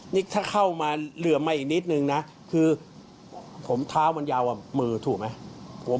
นี่ถ้าเข้ามาเหลือมาอีกนิดนึงนะคือผมเท้ามันยาวมือถูกไหม